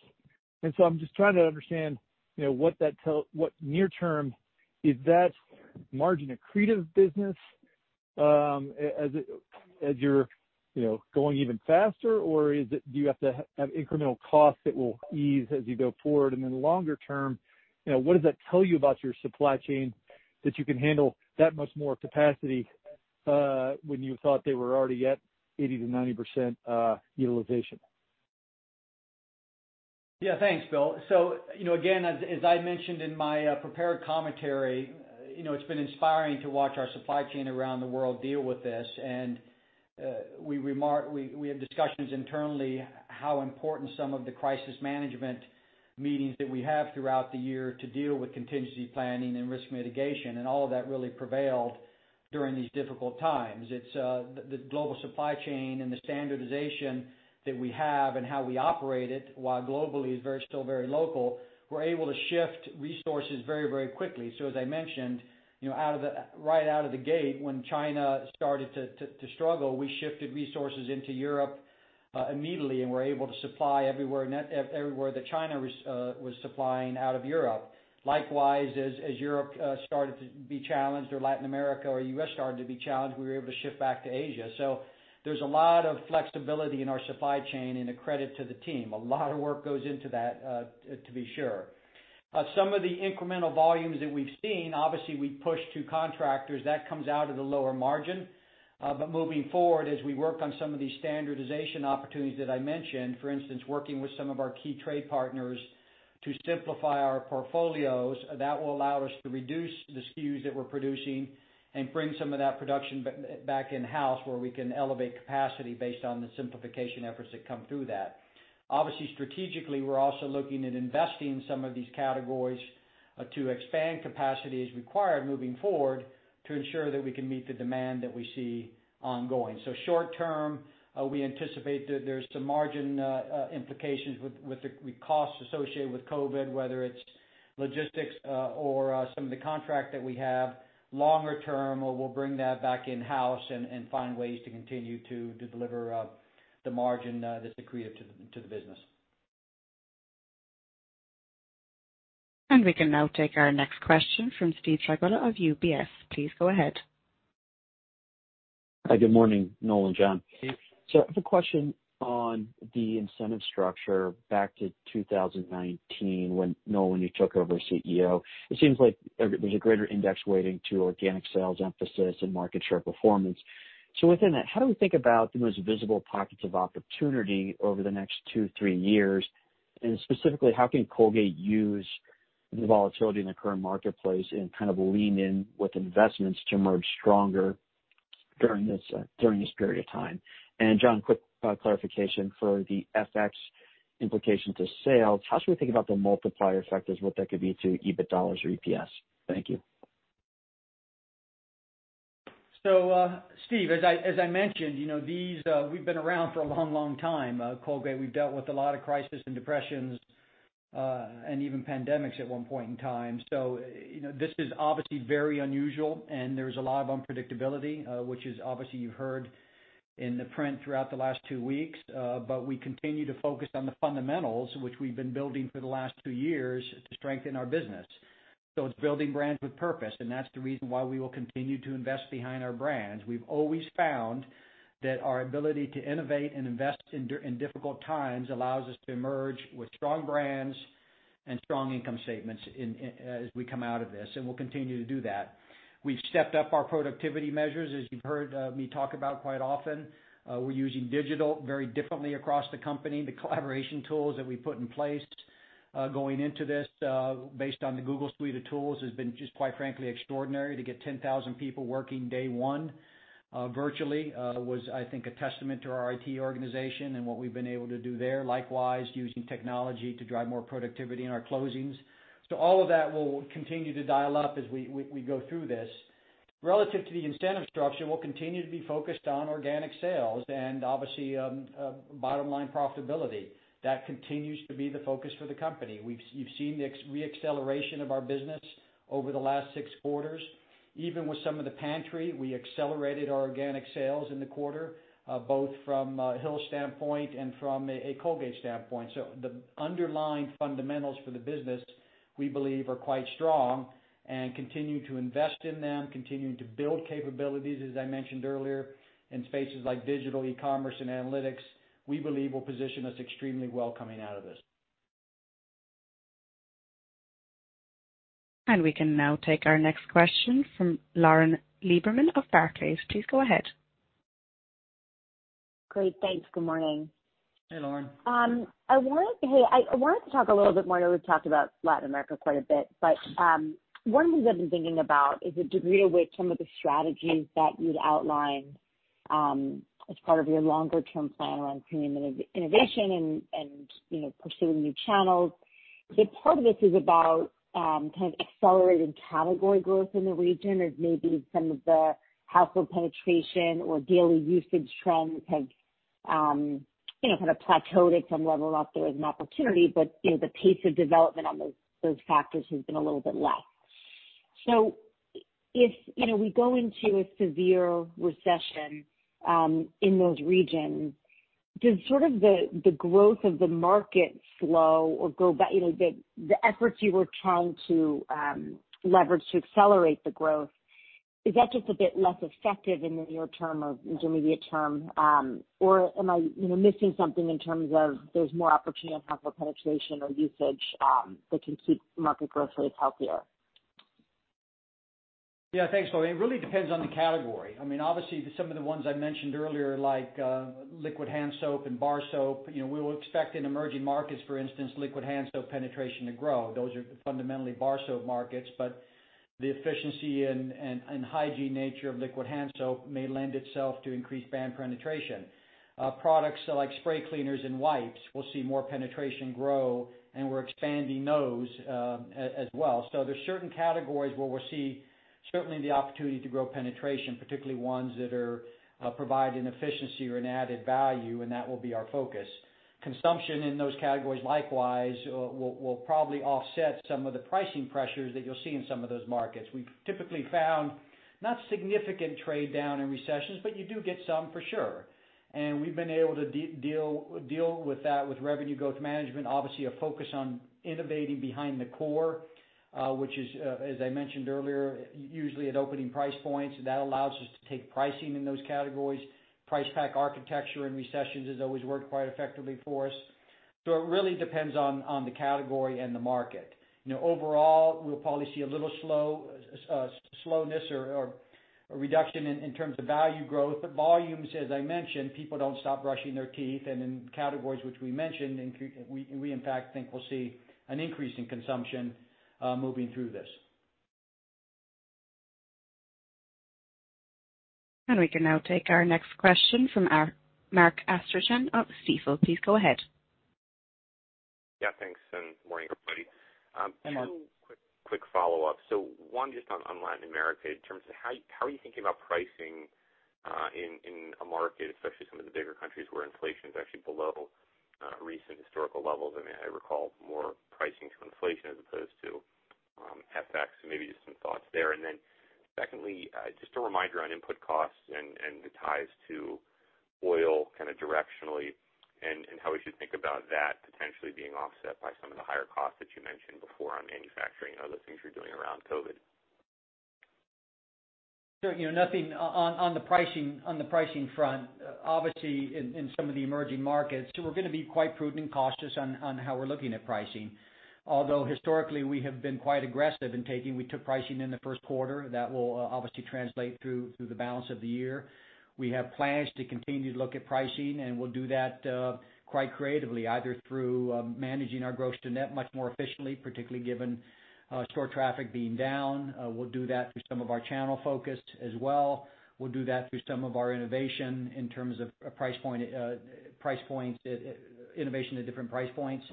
I'm just trying to understand near-term, is that margin-accretive business as you're going even faster, or do you have to have incremental costs that will ease as you go forward? Longer term, what does that tell you about your supply chain that you can handle that much more capacity, when you thought they were already at 80%-90% utilization? Yeah. Thanks, Bill. Again, as I mentioned in my prepared commentary, it's been inspiring to watch our supply chain around the world deal with this. We have discussions internally how important some of the crisis management meetings that we have throughout the year to deal with contingency planning and risk mitigation. All of that really prevailed during these difficult times. The global supply chain and the standardization that we have and how we operate it, while globally, is still very local. We're able to shift resources very quickly. As I mentioned, right out of the gate when China started to struggle, we shifted resources into Europe immediately and were able to supply everywhere that China was supplying out of Europe. Likewise, as Europe started to be challenged, or Latin America or U.S. started to be challenged, we were able to shift back to Asia. There's a lot of flexibility in our supply chain and a credit to the team. A lot of work goes into that, to be sure. Some of the incremental volumes that we've seen, obviously, we push to contractors. That comes out of the lower margin. Moving forward, as we work on some of these standardization opportunities that I mentioned, for instance, working with some of our key trade partners to simplify our portfolios, that will allow us to reduce the SKUs that we're producing and bring some of that production back in-house, where we can elevate capacity based on the simplification efforts that come through that. Strategically, we're also looking at investing in some of these categories to expand capacity as required moving forward to ensure that we can meet the demand that we see ongoing. Short term, we anticipate that there's some margin implications with the costs associated with COVID, whether it's logistics or some of the contract that we have. Longer term, we'll bring that back in-house and find ways to continue to deliver the margin that's accretive to the business. We can now take our next question from Steve Strycula of UBS. Please go ahead. Hi, good morning, Noel and John. Steve. I have a question on the incentive structure back to 2019 when, Noel, you took over as CEO. It seems like there's a greater index weighting to organic sales emphasis and market share performance. Within that, how do we think about the most visible pockets of opportunity over the next two, three years? Specifically, how can Colgate use the volatility in the current marketplace and kind of lean in with investments to emerge stronger during this period of time? John, quick clarification. For the FX implication to sales, how should we think about the multiplier effect as what that could mean to EBIT $ or EPS? Thank you. Steve, as I mentioned, we've been around for a long time, Colgate-Palmolive. We've dealt with a lot of crisis and depressions, and even pandemics at one point in time. This is obviously very unusual, and there's a lot of unpredictability, which obviously you've heard in the print throughout the last two weeks. We continue to focus on the fundamentals, which we've been building for the last two years to strengthen our business. It's building brands with purpose, and that's the reason why we will continue to invest behind our brands. We've always found that our ability to innovate and invest in difficult times allows us to emerge with strong brands and strong income statements as we come out of this, and we'll continue to do that. We've stepped up our productivity measures. As you've heard me talk about quite often, we're using digital very differently across the company. The collaboration tools that we put in place going into this, based on the Google suite of tools, has been just quite frankly, extraordinary. To get 10,000 people working day one virtually, was, I think, a testament to our IT organization and what we've been able to do there. Likewise, using technology to drive more productivity in our closings. All of that we'll continue to dial up as we go through this. Relative to the incentive structure, we'll continue to be focused on organic sales and obviously, bottom-line profitability. That continues to be the focus for the company. You've seen the re-acceleration of our business over the last six quarters. Even with some of the pantry, we accelerated our organic sales in the quarter, both from a Hill's standpoint and from a Colgate-Palmolive standpoint. The underlying fundamentals for the business, we believe, are quite strong and continuing to invest in them, continuing to build capabilities, as I mentioned earlier, in spaces like digital e-commerce and analytics, we believe will position us extremely well coming out of this. We can now take our next question from Lauren Lieberman of Barclays. Please go ahead. Great. Thanks. Good morning. Hey, Lauren. Hey. I wanted to talk a little bit more. We've talked about Latin America quite a bit, but one of the things I've been thinking about is the degree to which some of the strategies that you'd outlined as part of your longer-term plan around premium innovation and pursuing new channels. If part of this is about kind of accelerated category growth in the region as maybe some of the household penetration or daily usage trends have kind of plateaued at some level up there as an opportunity. The pace of development on those factors has been a little bit less. If we go into a severe recession in those regions, does sort of the growth of the market slow or the efforts you were trying to leverage to accelerate the growth, is that just a bit less effective in the near term or intermediate term? Am I missing something in terms of there's more opportunity on household penetration or usage that can keep market growth rates healthier? Yeah, thanks, Lauren. It really depends on the category. Obviously, some of the ones I mentioned earlier, like liquid hand soap and bar soap, we would expect in emerging markets, for instance, liquid hand soap penetration to grow. Those are fundamentally bar soap markets, but the efficiency and hygiene nature of liquid hand soap may lend itself to increased brand penetration. Products like spray cleaners and wipes, we'll see more penetration grow, and we're expanding those as well. There's certain categories where we'll see certainly the opportunity to grow penetration, particularly ones that are providing efficiency or an added value, and that will be our focus. Consumption in those categories, likewise, will probably offset some of the pricing pressures that you'll see in some of those markets. We've typically found not significant trade-down in recessions, but you do get some for sure. We've been able to deal with that with revenue growth management. Obviously, a focus on innovating behind the core, which is, as I mentioned earlier, usually at opening price points. That allows us to take pricing in those categories. Price pack architecture in recessions has always worked quite effectively for us. It really depends on the category and the market. Overall, we'll probably see a little slowness or a reduction in terms of value growth. Volumes, as I mentioned, people don't stop brushing their teeth. In categories which we mentioned, we in fact think we'll see an increase in consumption moving through this. We can now take our next question from Mark Astrachan of Stifel. Please go ahead. Yeah, thanks, and morning, everybody. Hey, Mark. Two quick follow-ups. One just on Latin America, in terms of how are you thinking about pricing in a market, especially some of the bigger countries where inflation's actually below recent historical levels? I recall more pricing to inflation as opposed to. Maybe just some thoughts there. Secondly, just a reminder on input costs and the ties to oil kind of directionally and how we should think about that potentially being offset by some of the higher costs that you mentioned before on manufacturing and other things you're doing around COVID. Sure. On the pricing front, obviously in some of the emerging markets, we're going to be quite prudent and cautious on how we're looking at pricing. Although historically we have been quite aggressive in taking. We took pricing in the first quarter. That will obviously translate through the balance of the year. We have plans to continue to look at pricing, and we'll do that quite creatively, either through managing our gross to net much more efficiently, particularly given store traffic being down. We'll do that through some of our channel focus as well. We'll do that through some of our innovation in terms of innovation at different price points.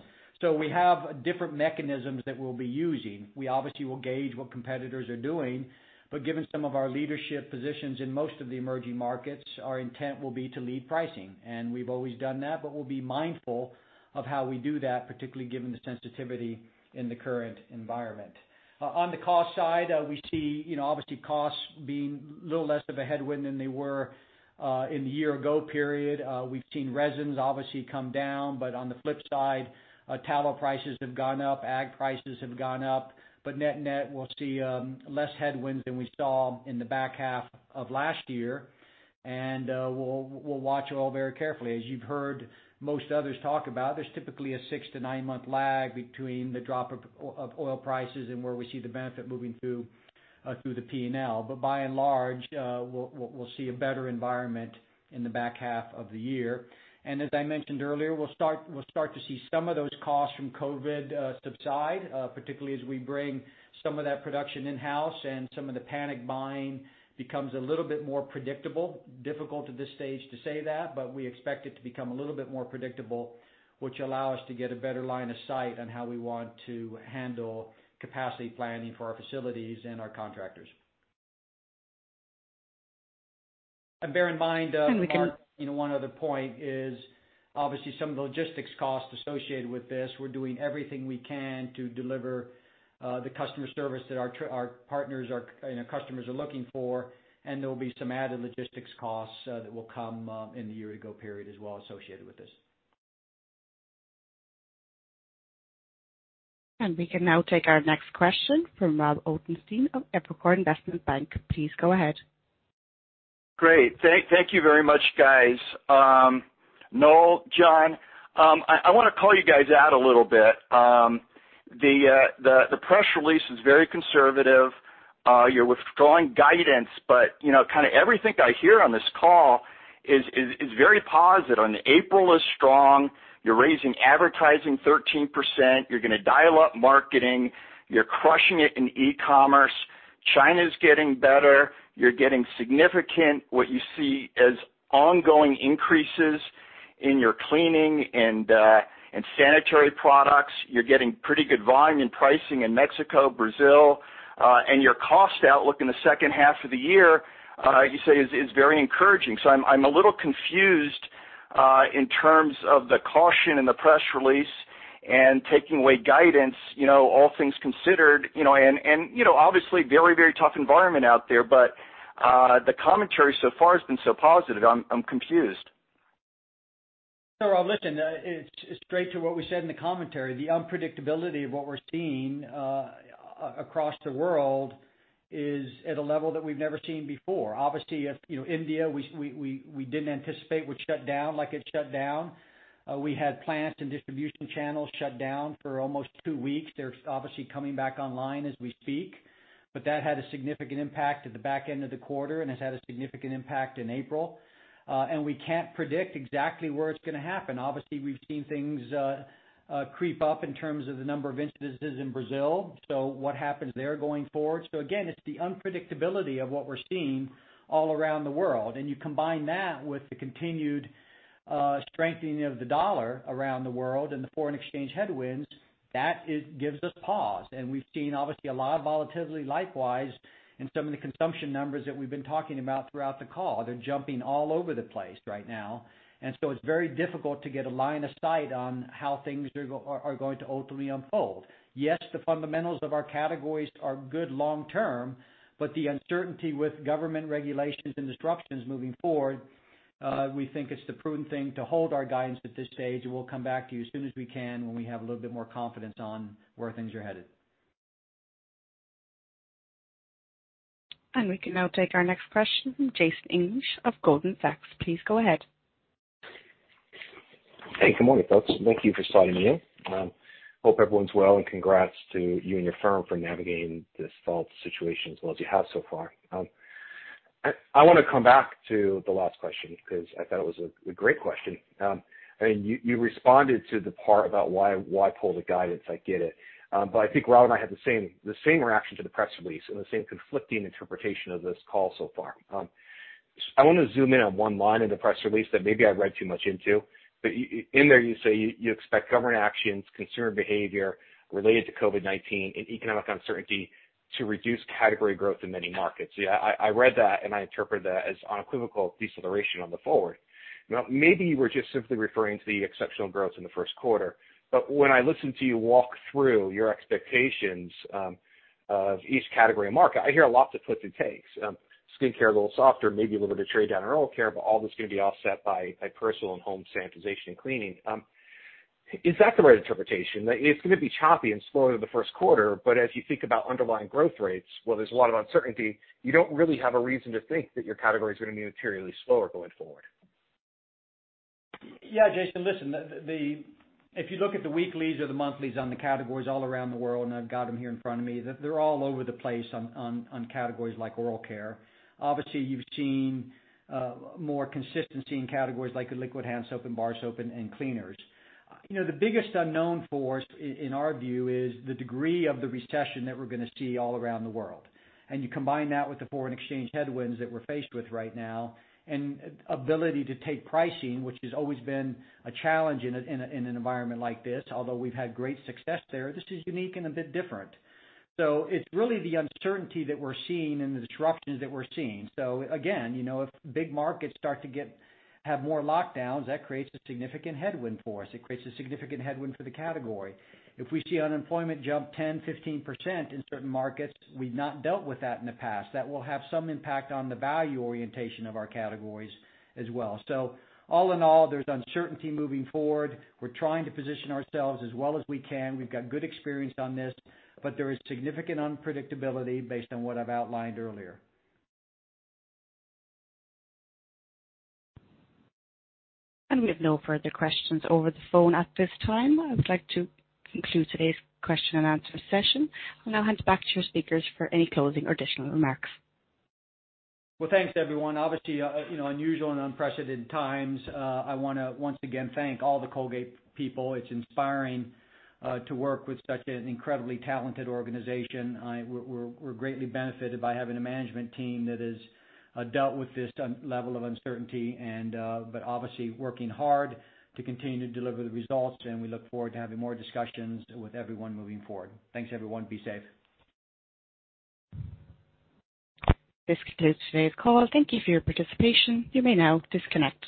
We have different mechanisms that we'll be using. We obviously will gauge what competitors are doing, but given some of our leadership positions in most of the emerging markets, our intent will be to lead pricing. We've always done that, but we'll be mindful of how we do that, particularly given the sensitivity in the current environment. On the cost side, we see obviously costs being a little less of a headwind than they were in the year-ago period. We've seen resins obviously come down, but on the flip side, tallow prices have gone up, ag prices have gone up. Net-net, we'll see less headwinds than we saw in the back half of last year. We'll watch it all very carefully. As you've heard most others talk about, there's typically a six- to nine-month lag between the drop of oil prices and where we see the benefit moving through the P&L. By and large, we'll see a better environment in the back half of the year. As I mentioned earlier, we'll start to see some of those costs from COVID subside, particularly as we bring some of that production in-house and some of the panic buying becomes a little bit more predictable. Difficult at this stage to say that, but we expect it to become a little bit more predictable, which allow us to get a better line of sight on how we want to handle capacity planning for our facilities and our contractors. Bear in mind. And we can- One other point is obviously some of the logistics costs associated with this. We're doing everything we can to deliver the customer service that our partners, our customers are looking for, and there will be some added logistics costs that will come in the year ago period as well associated with this. We can now take our next question from Rob Ottenstein of Evercore ISI. Please go ahead. Great. Thank you very much, guys. Noel, John, I want to call you guys out a little bit. The press release is very conservative. You're withdrawing guidance, kind of everything I hear on this call is very positive. April is strong. You're raising advertising 13%. You're going to dial up marketing. You're crushing it in e-commerce. China's getting better. You're getting significant, what you see as ongoing increases in your cleaning and sanitary products. You're getting pretty good volume and pricing in Mexico, Brazil, your cost outlook in the second half of the year, you say, is very encouraging. I'm a little confused in terms of the caution in the press release and taking away guidance, all things considered. Obviously very tough environment out there, the commentary so far has been so positive. I'm confused. Rob, listen, it's straight to what we said in the commentary. The unpredictability of what we're seeing across the world is at a level that we've never seen before. Obviously, India, we didn't anticipate would shut down like it shut down. We had plants and distribution channels shut down for almost two weeks. They're obviously coming back online as we speak. That had a significant impact at the back end of the quarter, and it's had a significant impact in April. We can't predict exactly where it's going to happen. Obviously, we've seen things creep up in terms of the number of instances in Brazil. What happens there going forward? Again, it's the unpredictability of what we're seeing all around the world. You combine that with the continued strengthening of the dollar around the world and the foreign exchange headwinds, that gives us pause. We've seen, obviously, a lot of volatility likewise in some of the consumption numbers that we've been talking about throughout the call. They're jumping all over the place right now. It's very difficult to get a line of sight on how things are going to ultimately unfold. Yes, the fundamentals of our categories are good long term, but the uncertainty with government regulations and disruptions moving forward, we think it's the prudent thing to hold our guidance at this stage, and we'll come back to you as soon as we can when we have a little bit more confidence on where things are headed. We can now take our next question from Jason English of Goldman Sachs. Please go ahead. Hey, good morning, folks. Thank you for slotting me in. Hope everyone's well, and congrats to you and your firm for navigating this health situation as well as you have so far. I want to come back to the last question because I thought it was a great question. You responded to the part about why pull the guidance, I get it. I think Rob and I had the same reaction to the press release and the same conflicting interpretation of this call so far. I want to zoom in on one line in the press release that maybe I read too much into, but in there you say you expect government actions, consumer behavior related to COVID-19 and economic uncertainty to reduce category growth in many markets. I read that, and I interpreted that as unequivocal deceleration on the forward. Maybe you were just simply referring to the exceptional growth in the first quarter, but when I listen to you walk through your expectations of each category and market, I hear lots of twists and takes. Skincare a little softer, maybe a little bit of trade down in oral care, but all that's going to be offset by personal and home sanitization and cleaning. Is that the right interpretation? It's going to be choppy and slower the first quarter, but as you think about underlying growth rates, while there's a lot of uncertainty, you don't really have a reason to think that your category is going to be materially slower going forward. Yeah, Jason, listen. If you look at the weeklies or the monthlies on the categories all around the world, and I've got them here in front of me, they're all over the place on categories like oral care. Obviously, you've seen more consistency in categories like liquid hand soap and bar soap and cleaners. The biggest unknown for us, in our view, is the degree of the recession that we're going to see all around the world. You combine that with the foreign exchange headwinds that we're faced with right now and ability to take pricing, which has always been a challenge in an environment like this, although we've had great success there. This is unique and a bit different. It's really the uncertainty that we're seeing and the disruptions that we're seeing. Again, if big markets start to have more lockdowns, that creates a significant headwind for us. It creates a significant headwind for the category. If we see unemployment jump 10%, 15% in certain markets, we've not dealt with that in the past. That will have some impact on the value orientation of our categories as well. All in all, there's uncertainty moving forward. We're trying to position ourselves as well as we can. We've got good experience on this, but there is significant unpredictability based on what I've outlined earlier. We have no further questions over the phone at this time. I would like to conclude today's question and answer session. I'll now hand it back to your speakers for any closing or additional remarks. Well, thanks everyone. Obviously, unusual and unprecedented times. I want to once again thank all the Colgate-Palmolive people. It's inspiring to work with such an incredibly talented organization. We're greatly benefited by having a management team that has dealt with this level of uncertainty but obviously working hard to continue to deliver the results, and we look forward to having more discussions with everyone moving forward. Thanks, everyone. Be safe. This concludes today's call. Thank you for your participation. You may now disconnect.